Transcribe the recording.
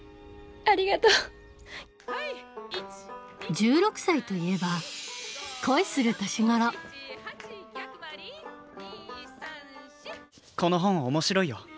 １６歳といえば恋する年頃この本面白いよ。